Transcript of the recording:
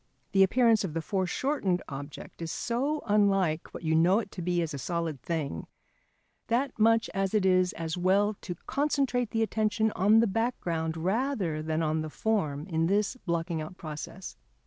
The appearance of the foreshortened object is so unlike what you know it to be as a solid thing, that much as it is as well to concentrate the attention on the background rather than on the form in this blocking out process.